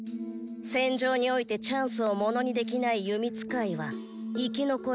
戦場においてチャンスをものにできない弓使いは生き残れねぇ。